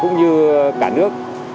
cũng như cả nước